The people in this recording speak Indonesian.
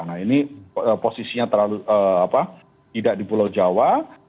nah ini posisinya tidak terlalu di pulau jawa